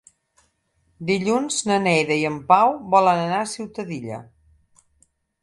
Dilluns na Neida i en Pau volen anar a Ciutadilla.